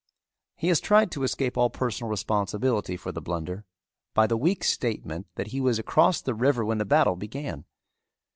He has tried to escape all personal responsibility for the blunder by the weak statement that he was across the river when the battle began.